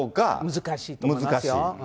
難しいと思いますよ。